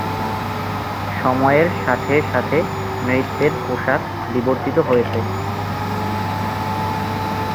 সময়ের সাথে সাথে নৃত্যের পোশাক বিবর্তিত হয়েছে।